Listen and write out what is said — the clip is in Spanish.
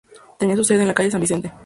Tenía su sede en la calle San Vicente.